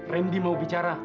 randy mau bicara